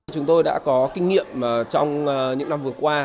chúng tôi đã có kinh nghiệm trong những năm vừa qua